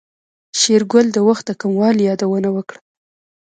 شېرګل د وخت د کموالي يادونه وکړه.